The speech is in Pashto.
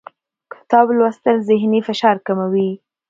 کتاب لوستل ذهني فشار کموي